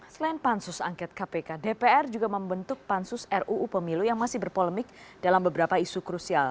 selain pansus angket kpk dpr juga membentuk pansus ruu pemilu yang masih berpolemik dalam beberapa isu krusial